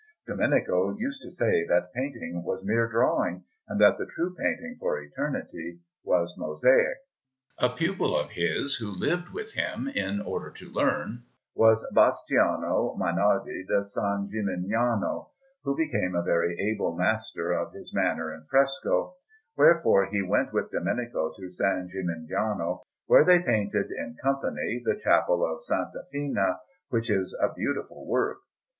Domenico used to say that painting was mere drawing, and that the true painting for eternity was mosaic. A pupil of his, who lived with him in order to learn, was Bastiano Mainardi da San Gimignano, who became a very able master of his manner in fresco; wherefore he went with Domenico to San Gimignano, where they painted in company the Chapel of S. Fina, which is a beautiful work.